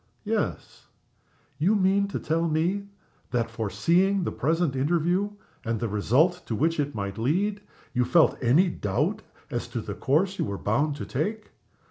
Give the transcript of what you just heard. _" "Yes." "You mean to tell me that, foreseeing the present interview and the result to which it might lead, you felt any doubt as to the course you were bound to take?